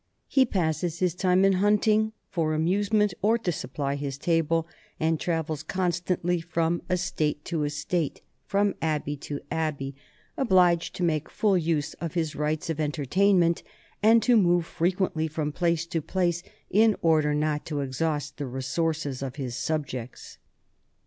He passes his time in hunting, for amusement or to supply his table, and travels constantly from estate to estate, from abbey to abbey, obliged to make full use of his rights of enter tainment and to move frequently from place to place in order not to exhaust the resources of his subjects."